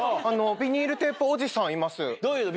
ビニールテープおじさん。